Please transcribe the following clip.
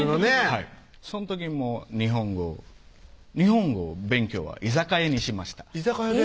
はいその時も日本語日本語勉強は居酒屋にしました居酒屋で？